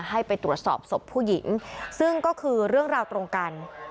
ให้ไปตรวจสอบศพผู้หญิงซึ่งก็คือเรื่องราวตรงกัน